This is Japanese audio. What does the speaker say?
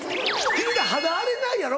君ら肌荒れないやろ？